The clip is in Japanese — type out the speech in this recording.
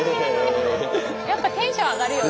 やっぱテンション上がるよね。